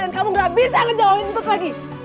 dan kamu gak bisa ngejauhin untut lagi